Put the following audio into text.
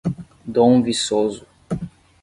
Dom Viçoso